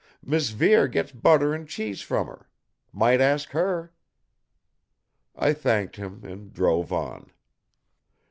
Mis' Vere gets butter and cheese from her. Might ask her!" I thanked him and drove on.